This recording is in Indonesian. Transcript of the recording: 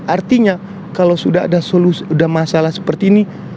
artinya kalau sudah ada masalah seperti ini